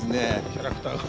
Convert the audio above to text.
キャラクターが。